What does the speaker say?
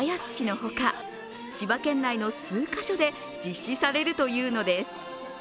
ほか、千葉県内の数か所で実施されるというのです。